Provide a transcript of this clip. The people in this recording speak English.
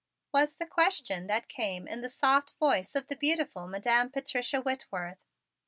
was the question that came in the soft voice of the beautiful Madam Patricia Whitworth.